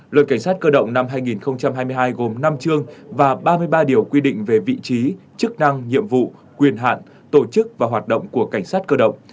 luật cảnh sát cơ động năm hai nghìn hai mươi hai gồm năm chương và ba mươi ba điều quy định về vị trí chức năng nhiệm vụ quyền hạn tổ chức và hoạt động của cảnh sát cơ động